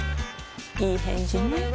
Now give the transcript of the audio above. いい返事ね